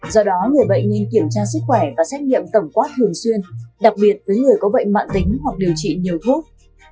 do đó người bệnh nên kiểm tra sức khỏe và xét nghiệm tổng quát thường xuyên đặc biệt với người có bệnh mạng tính hoặc điều trị nhiều thuốc